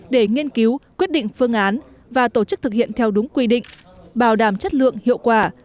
để nghiên cứu quyết định phương án và tổ chức thực hiện theo đúng quy định bảo đảm chất lượng hiệu quả